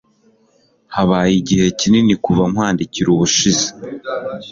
Habaye igihe kinini kuva nkwandikira ubushize.